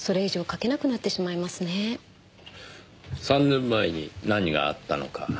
３年前に何があったのか。